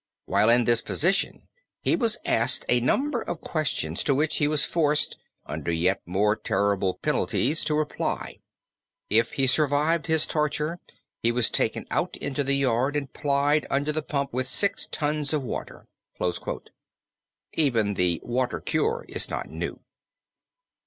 While in this position he was asked a number of questions, to which he was forced, under yet more terrible penalties, to reply. If he survived his torture he was taken out into the yard and plied under the pump with six tons of water." (Even the "Water Cure" is not new).